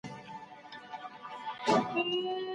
په ګڼ ډګر کي مړ سړی او ږیره ونه ښکاره سول.